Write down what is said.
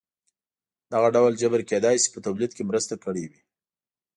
دغه ډول جبر کېدای شي په تولید کې مرسته کړې وي.